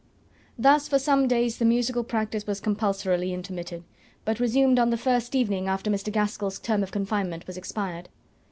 Thus for some days the musical practice was compulsorily intermitted, but resumed on the first evening after Mr. Gaskell's term of confinement was expired.